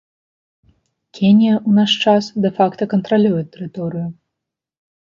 Кенія ў наш час дэ-факта кантралюе тэрыторыю.